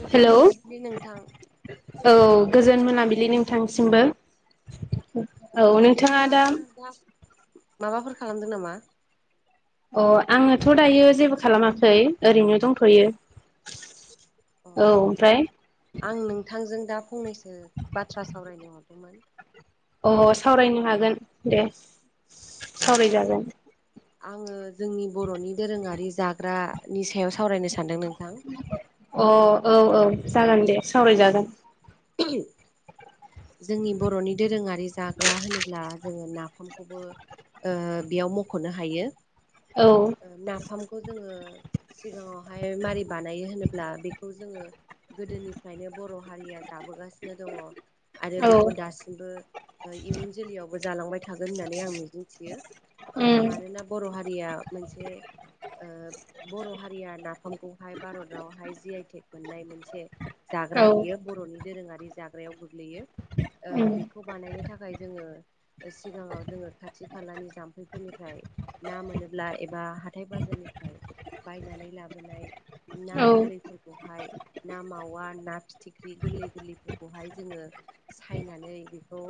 गोजोन हेलौ मोनाबलि नोंथां। औ गोजोन मोनाबिलि नोंथांसिमबो। औ नोंथाङा दा माबाफोर खालामदों नामा? अ आङोथ' दायो जेबो खालामाखै ओरैनो दंथ'यो। औ ओमफ्राय आं नोंथांजों दा फंनैसो बाथ्रा सावरायनो हरदोंमोन? अ सावरायनो हागोन दे सावरायजागोन। आङो जोंनि बर'नि दोरोङारि जाग्रानि सायाव सावरायनो सानदों नोंथां। अ औ औ जागोन दे सावरायजागोन। [unintelligible] जोंनि बर'नि दोरोङारि जाग्रा होनोब्ला जोङो नाफामखौबो ओ बेयाव मख'नो हायो। औ ओ नाफामखौ जोङो सिगाङावहाय मारै बानायो होनोब्ला ब्ला बेखौ जोङो गोदोनिफ्रायनो बर' हारिया जाबोगासिनो दङ। आरो औ बेखौ दासिमबो ओ इयुन जोलैयावबो जालांबाय थागोन होननानै आं मिजिं थियो। ओ उम मानोना बर' हारिया मोनसे ओ बर' हारिया नाफामखौहाय भारतावहाय जि आइटेक मोननाय मोनसे जाग्रा औ बियो बर'नि दोरोङारि जाग्रायाव गोग्लैयो ओ उम बेखौ बानायनो नि थाखाय जोङो सिगाङाव जोङो खाथि खालानि जाम्फैफोरनिफ्राय ना मोनोब्ला एबा हाथाय बाजारनिफ्राय बायनानै लाबोनाय ना औ गोरलैफोरखौहाय ना मावा ना फिथिख्रि गोरलै गोरलैफोरखौहाय जोङो सायनानै बेखौ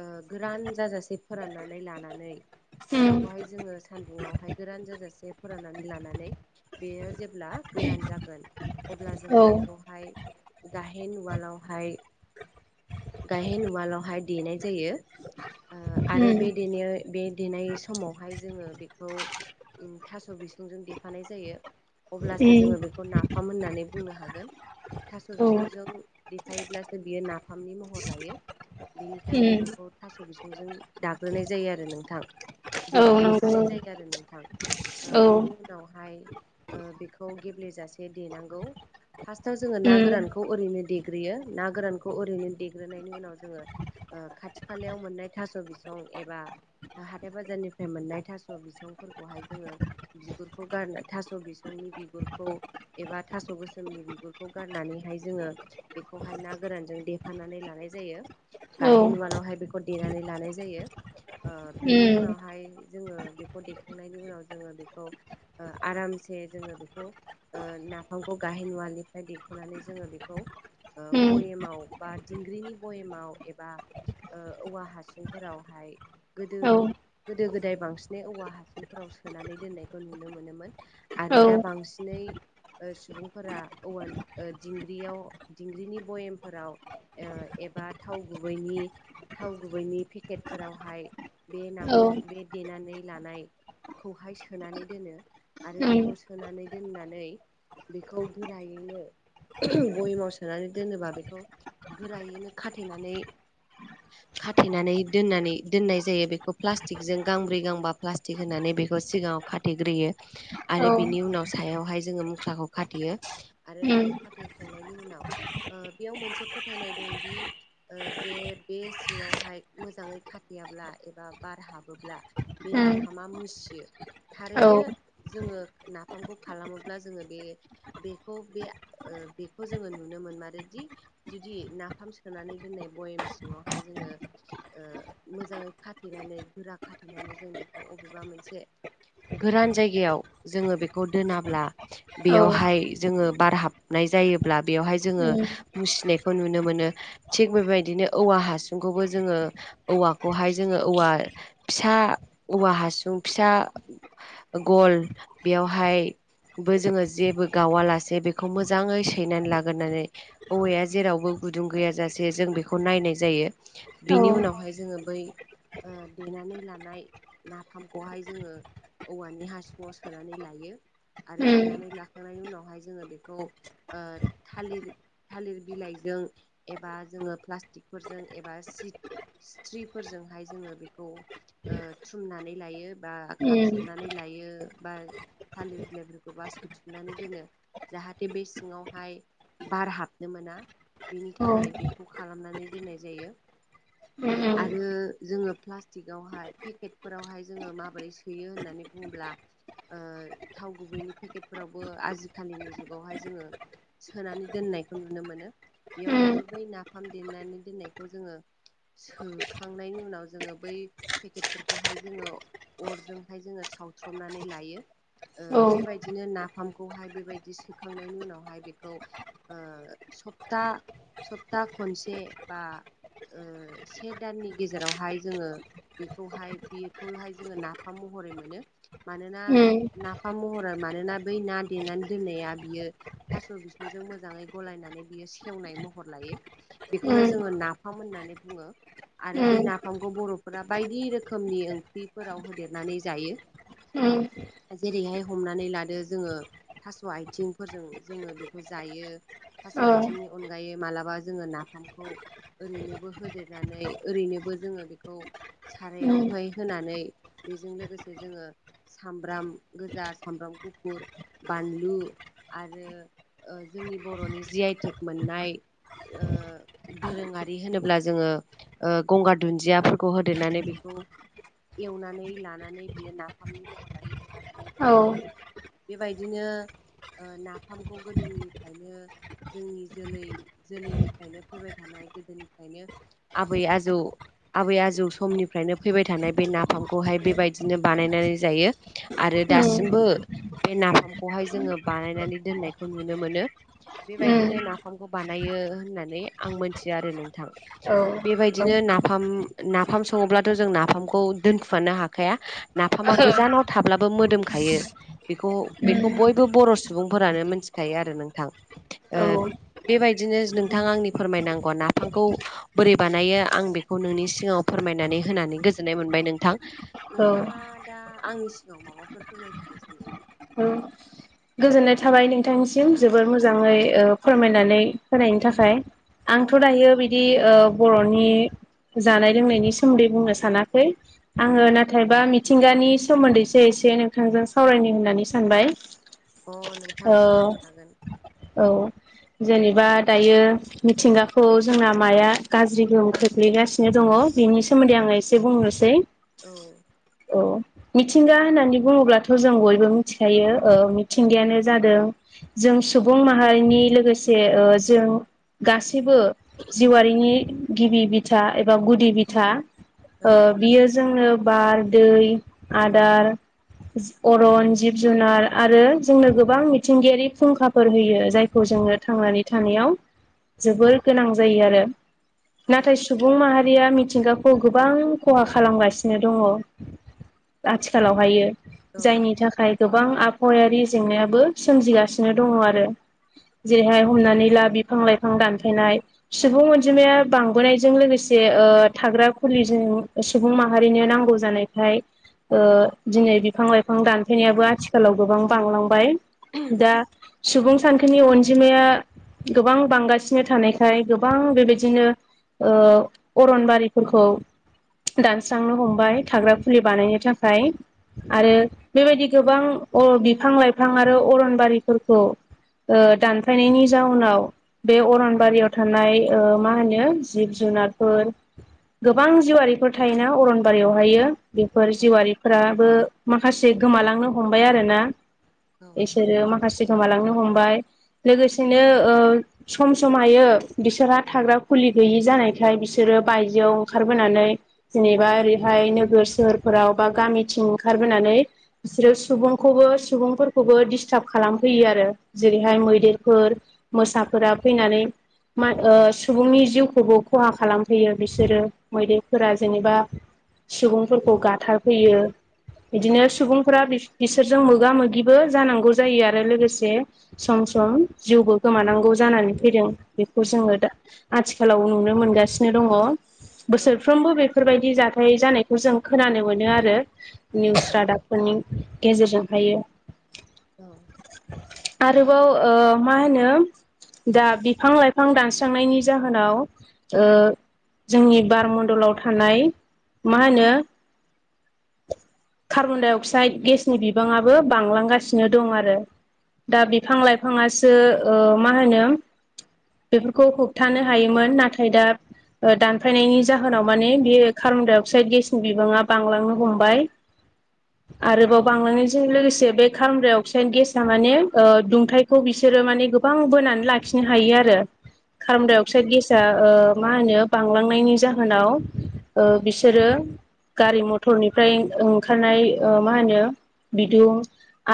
ओ गोरान जाजासे फोराननानै उम बेखौहाय जोङो सानदुङावहाय गोरान जाजासे फोराननानै लानानै बेयो जेब्ला गोरान जागोन अब्ला औ जोङो उम बेखौहाय गाहेन उवालाव हाय गायहेन उवालावहाय देनाय जायो। आरो बे बे देनाय समावहाय जोङो बेखौ थास' बिसुंजों देफानाय जायो। अब्लासो उम जोङो बेखौ नाफाम होननानै बुंनो हागोन। थास' औ बिसुंजों देफायोब्लासो बियो नाफामनि महर लायो। उम बेनिखायनो बेखौ औ थास' बिसंजों दाग्रोनाय जायो आरो नोंथां। दे-देफानाय नंगौ जायो आरो नोंथां। ओ औ बिनि उनावहाय ओ बेखौ गेब्लेेजासे देनांगौ। फार्स्टआव जोङो ना उम गोरानखौ ओरैनो देग्रो देग्रोयो ना गोरानखौ ओरैनो देग्रोनायनि उनाव जोङो ओ खाथि खालायाव मोननाय थास' बिसं एबा हाथाय बाजारनिफ्राय मोननाय थास' बिसंफोरखौहाय जोङो बिगुरखौ गारना थास' बिसं नि बिगुरखौ एबा थास' गोसोमनि बिगुरखौ गारनानैहाय जोङो बेखौहाय ना गोरानजों देफानानै लानाय जायो। औ गाहेन उवालावहाय बेखौ देनानै लानाय जायो। ओ बिनि उम उनावहाय जोङो बेखौ देखांनायनि उनाव जोङो बेखौ ओ आरामसे जोङो बेखौ ओ नाफामखौ गाहेन उवालनिफ्राय देख'नानै जोङो बेखौ ओ उम बयेमाव बा दिंग्रिनि बयेमाव एबा ओ औवा हासुं फोरावहाय गोदो औ गोदो गोदाय बांसिनै औवा हासुंफोराव सोनानै दोननायखौ नुनो मोनोमोन आरो औ दा बांसिनै नै ओ सुबुंफोरा औवानि ओ दिंग्रियाव दिंग्रिनि बयेमफोराव ओ एबा थाव गुबैनि थाव गुबैनि पेकेट फोरावहाय बे औ नाफाम बे देनानै लानाय खौहाय सोनानै दोनो आरो उम बेखौ सोनानै दोननानै बेखौ गोरायैनो बयेमाव सो सोनानै दोनोबा बेखौ गोरायैनो खाथेनानै खाथेनानै दोननानै दोननाय जायो बेखौ प्लास्टिकजों गांब्रै गांबा प्लास्टिक होनानै बेखौ सिगाङाव खाथेग्रोयो औ आरो बिनि उनाव सायावहाय जोङो मुख्राखौ खाथेयो आरो बेखौ उम खाथेखांनायनि उनाव ओ बेयाव मोनसे फोथायनाय दं दि ओ जे बे सिङावहाय मोजाङै खाथेयाब्ला एबा बार हाबोब्ला बे उम नाफामा मुसियो। औ थारैनो जोङो नाफामखौ खालामोब्ला जोङो बे बेखौ बे ओ ओ बेखौ जोङो नुनो मोनमारोदि जुदि नाफाम सोनानै दोननाय बयेम सिङावहाय जोङो ओ मोजाङै खाथेनानै गोरा खाथेनानै जों बेखौ अबेबा मोनसे गोरान जायगायाव जोङो बेखौ दोनाब्ला औ बेयावहाय जोङो बार हाबनाय जायोब्ला बेयावहाय जोङो उम मुसिनाय खौ नुनो मोनो। थिग बेबायदिनो औवा हासुंखौबो जोङो औवाखौहाय जोङो औवा फिसा औवा हासुं फिसा गल बेयावहाय बो जोङो जेबो गावा लासे बेखौ मोजाङै सैनानै लाग गोरनानै औवाया जेरावबो गुदुं गैयाजासे जों बेखौ नायनाय जायो औ बेनि उनावहाय जोङो बै ओ देनानै लानाय नाफामखौहाय जोङो औवानि हासुंआव सोनानै लायो। आरो उम सोनानै लाखांनायनि उनावहाय जोङो बेखौ ओ थालिर थालिर बिलाइजों एबा जोङो प्लास्टिकफोरजों एबा सिथ स्थ्रिफोरजोंहाय जोङो बेखौ ओ थुमनानै लायो बा उम खाथुबनानै लायो। बा थालिर बिलाइफोरखौ बा सोथुमनानै दोनो जाहाथे बे सिङावहाय बार हाबनो मोना बेनि औ थाखाय बेखौ खालामनानै दोननाय जायो। [inaudible] आरो जोङो प्लास्टिकआवहाय पेकेटफोरावहाय जोङो माबोरै सोयो होननानै बुङोब्ला ओ थाव गुबैनि पेकेटफोरावबो आजिखालिनि जुगावहाय जोङो सोनानै दोननायखौ नुनो मोनो। बेवहायबो बै नाफाम देनानै दोननायखौ जोङो सोखांनायनि उनाव जोङो बै पेकेटफोरखौहाय जोङो अरजोंहाय जोङो सावथ्रमनानै लायो। ओ-बेबायदिनो नाफामखौहाय बेबायदि सोखांनायनि उनावहाय बेखौ ओ- सप्ता सप्ता खनसे बा ओ-से दाननि गेजेरावहाय जोङो बेखौहाय बेखौहाय जोङो नाफाम मह हरै मोनो मानोना नाफाम महरै मानोना बै ना देनानै दोननाया बियो। थास' बि बिजों मोजाङै गलायनानै बियो सेवनाय महर लायो। उम उम औ उम औ बेखौनो जोङो उम नाफाम होननानै बुङो। आरो बे नाफामखौ बरफ फोरा बायदि रोखोमनि ओंख्रिफोराव होदेरनानै जायो। जेरैहाय हमनानै लादो जोङो थास' आथिंफोरजों जोङो बे खौ जायो थास' आथिंनि अनगायै मालाबा जोङो नाफामखौ ओरैनोबो होदेरनानै ओरैनोबो जोङो बेखौ उम औ सारायावहाय होनानै बेजों लोगोसे जोङो सामब्राम गोजा सामब्राम गुफुर बानलु आरो ओ-जोंनि बर'नि जि आइटेक मोननाय। ओ-दोरोङारि होनोब्ला जोङो ओ-गंगार दुन्दियाफोरखौ होदेरनानै बेखौ एवनानै लानानै बियो नाफामनि महर लायो। बा औ उम जाजायो बेबायदिनो ओ-नाफाम खौ गोदोनिफ्रायनो जोंनि जोलै जोलैनिफ्रायनो फैबाय थानाय गोदोनिफ्रायनो। आबै आजौ। आबै आजौ समनिफ्रायनो फैबाय थानाय बे नाफामखौहाय बेबायदिनो बानायनानै जायो। आरो दासिमबो बे नाफामखौहाय जोङो बानायनानै दोननायखौ नुनो मोनो। बेबायदिनो नाफाम खौ बानायो होननानै आं मोनथियो आरो नोंथां। बेबायदिनो नाफाम नाफाम सङोब्लाथ' जों नाफामखौ दोनखुमानो हाखाया। नाफामा गोजानाव थाब्ला बो मोदोमखायो। बेखौ बेखौ बयबो बर' सुबुंफोरानो मिथिखायो आरो नोंथां। ओ-बेबायद दिनो नोंथांआ आंनि फोरमायनांगौ नाफामखौ बोरै बानायो आं बेखौ नोंनि सिगाङाव फोरमायनानै होनानै गोजोननाय मोनबाय नोंथां। औ नोंथाङा दा आंनि सिगांआव माबाफोर फोरमायफिनो सानदों नामा? औ औ गोजोननाय थाबाय नोंथांसिम जोबोर मोजाङै ओ-फोरमायनानै होनायनि थाखाय। औ आंथ' दायो बिदि ओ-बर'नि जानाय लोंनायनि सोमोन्दै बुंनो सानाखै। आङो नाथायबा मिथिंगानि सोमोन्दैसो एस से नोंथांजों सावरायनो होननानै सानबाय। अ नोंथां ओ सावरायनो हागोन। औ जेनेबा दायो मिथिंगाखौ जोंना माया गाज्रि गोहोम खोख्लैगासिनो। नो दङ औ बिनि सोमोन्दै आङो एसे बुंनोसै। औ औ मिथिंगा होननानै बुङोब्लाथ' जों बयबो मिथिखायो। ओ- मिथिंगायानो जादों- जों सुबुं माहारिनि लोगोसे ओ-जों गासै बो जिउआरिनि गिबि बिथा एबा गुदि बिथा। औ ओ-बियो जोङो बार दै आदार अरन जिब जुनार आरो जोंनो गोबां मिथिंगायारि फुंखाफोर होयो। जायखौ जों- जोङो थांनानै थानायाव जोबोर गोनां जायो आरो। नाथाय सुबुं माहा रिया मिथिंगाखौ गोबां खहा खालामगासिनो दङ। आथिखालावहायो जायनि थाखाय। गोबां आबहावायारि जेंनायाबो सोमजिगासिनो दङ आरो। जेरैहाय हमनानै ला बिफां लाइफां दानफायनाय सुबुं अनजिमाया बांबोनायजों लोगोसे। ओ-थाग्रा खुलिजों सुबुं माहारिनो नांगौ जानायखाय ओ-दिनै बिफां लाइफां औ दानफैनायाबो आथिखालाव गोबां बांलांबाय। दा- सुबुं सानखोनि अनजिमाया गोबां बांगासिनो थानायखाय गोबां बेबायदिनो ओ अरनबारिफोरखौ दानस्रांनो हमबाय थाग्रा फुलि बानायनो था खाय। आरो बेबायदि गोबां अ बिफां लाइफां आरो अरनबारिफोरखौ ओ दानफायनायनि जाउनाव बे अरनबारियाव थानाय ओ मा होनो जिब जुनारफोर गोबां जिउआारिफोर थायोना अरनबारियावहायो। बेफोर जिवारिफोराबो माखासे गोमालांनो हमबाय आरोना। बिसोरो माखासे गोमालांनो हमबाय लोगोसेनो ओ सम समायो बिसोरहा थाग्रा खुलि गैयि जानायखाय बिसोरो बायजोआव ओंखारबोनानै जेनेबा ओरैहाय नोगोर सोहोरफोराव बा गामिथिं ओंखारबोनानै बिसोरो सुबुंखौबो सुबुंफोरखौबो डिस्टार्ब खालामफैयो आरो। जेरैहाय मैदेरफोर मोसाफोरा फैनानै मा ओ सुबुंनि जिउखौबो खहा खालामफैयो बिसोरो मैदेरफोरा जेनेबा सुबुंफोरखौ गाथारफैयो। बिदिनो सुबुंफोरा बि-बिसोरजों मोगा मोगिबो जानांगौ जायो आरो लोगोसे सम सम जिउबो गोमानांगौ जानानै फैदों। बेखौ जोङो दा आथिखालाव नुनो मोनगासिनो दङ। औ बोसोरफ्रोमबो बेफोरबायदि जाथाय जानायखौ जों खोनानो मोनो आ रो निउस रादाबफोरनि गेजेरजोंहायो। औ आरोबाव ओ मा होनो? दा बिफां लाइफां दानस्रांनायनि जाहोनाव ओ जोंनि बारमण्डलाव थानाय मा होनो? कार्बनडाइ अक्साइद गेसनि बिबाङाबो बांलांगासिनो दं आरो। दा औ बिफां लाइफाङासो ओ मा होनो बेफोरखौ होबथानो हायोमोन नाथाय दा ओ दानफायनायनि जाहोनाव माने बेयो कार्बन दडाइ अक्साइद गेसनि बिबाङा बांलांनो हमबाय। [inaudible] आरोबाव बांलनायजों लोगोसे बे काम्राइ अक्साइड गेसाआ माने ओ दुंथाइखौ बिसोरो माने गोबां बोनै। लानो हायो आरो औ कार्बनडाइअक्स गेसा ओ- मा होनो बांलांनायनि जाहोनाव ओ बिसोरो गारि मथरनिफ्राय ओं खारनाय ओ मा होनो बिदुं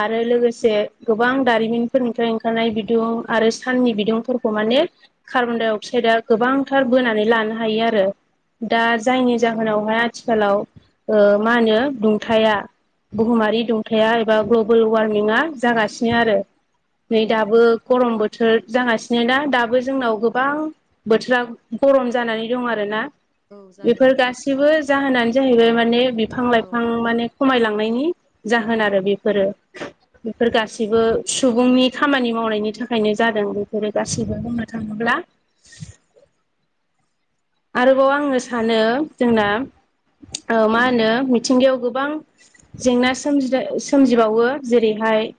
आरो लोगोसे गोबां दारिमिनफोरनिफ्राय ओंखारनाय बिदुं आरो साननि बिदुं फोरखौ माने औ कार्बन डाइ अक्साइदआ गोबांथार बोनानै लानो हायो आरो। दा जायनि जाहोनावहाय आथिखालाव ओ मा होनो थाया बुहुमारि दुंथाया एबा ग्लबेल वार्मिंआ जागासिनो आरो। नै औ दाबो गरम बो थोर जागासिनो ना दाबो जोंनाव गोबां बोथोरा गरम जानानै दं आरोना। औ जादों बेफोर नोंथां गासैबो जाहोनानो जाहैबाय माने बिफां औ लाइफां माने खमायलांनायनि जाहोन आरो बेफोरो। बेफोर गासैबो सुबुंनि खामानि मावनायनि थाखायनो जादों बेफोरो गासैबो बुंनो थांङोब्ला। ब्ला [inaudible] आरोबाव आङो सानो जोंना ओ मा होनो मिथिंगायाव गोबां जेंना सोमजि सोमजिबावो जेरैहाय हाय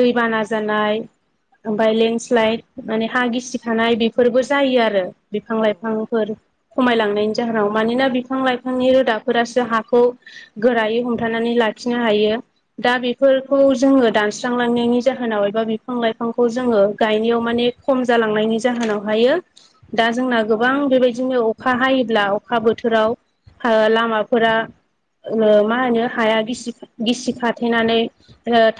दैबाना जानाय ओमफ्राय लेन्डस्लाइद माने हा गिसिखानाय बेफोरबो जायो आरो बिफां औ लाइफां खमायलांनायनि जाहोनाव मानोना बिफां-लाइफांनि रोदाफोरासो हाखौ गोरायै हमथानानै ला खिनो हायो दा बेफोरखौ जोङो दानस्रांलांनायनि जाहोनाव एबा बिफां-लाइफांखौ जोङो ङो गायनायाव माने खम जालांनायनि जाहोनाव हायो दा जोंना गोबां बेबायदिनो अखा हायोब्ला अखा बोथोराव ओ लामाफोरा ओ मा होनो हाया गिसि गिसि खाथेनानै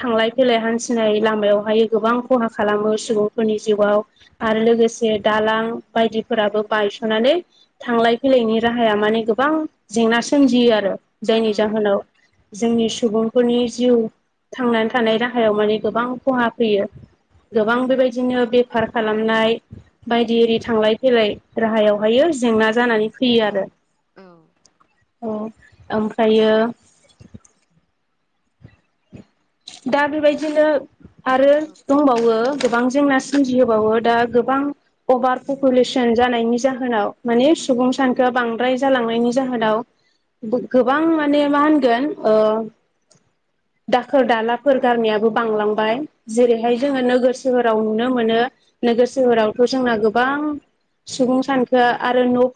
थांलाय फैलाय हान्थिनाय लामायाव हायो गोबां खहा खालामो सुबुं फोरनि जिउआव आरो लोगोसे दालां बायदिफोराबो बायसनानै थांलाय फैलायनि राहाया माने गोबां जेंना सोमजियो आरो। जायनि औ जाहोनाव जोंनि सुबुंफोरनि जिउ थांनानै थानाय राहायाव माने गोबां खहा फैयो। गोबां बेबायदिनो बेफार खालामनाय बायदि इरि थांलाय फैलाय राहायाव हायो जेंना जानानै फैयो आरो। अ ओमफ्रायो दा बेबायदिनो आरो औ दंबावो गोबां जेंना सोमजिहोबावो। दा गोबां अभार पपुलेसन जानायनि जाहोनाव माने सुबुं सानखोआ बांद्राय जालांनायनि जाहोनाव गोबां माने मा होनगोन ओ - दा खोर-दालाफोर गारनायाबो बांलांबाय औ जेरैहाय जोङो नोगो सोहोराव नुनो मोनो नोगोर-सोहोरावथ जोंना गोबां सुबुं सानखो आरो न'